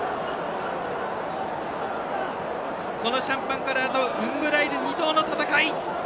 このシャンパンカラーとウンブライル２頭の戦い。